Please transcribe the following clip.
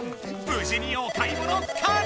無事にお買い物完了！